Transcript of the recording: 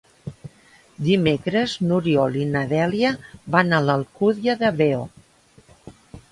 Dimecres n'Oriol i na Dèlia van a l'Alcúdia de Veo.